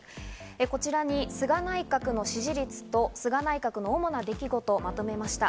こちらに菅内閣の支持率と菅内閣の主な出来事をまとめました。